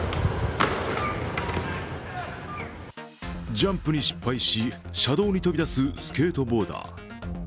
ジャンプに失敗し、車道に飛び出すスケートボーダー。